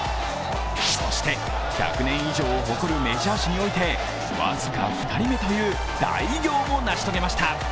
そして１００年以上を誇るメジャー史において僅か２人目という大偉業も成し遂げました。